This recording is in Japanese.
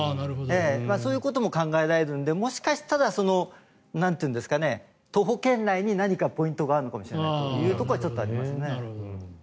そういうことも考えられるのでもしかしたら徒歩圏内に何かポイントがあるかもしれないというのがちょっとありますね。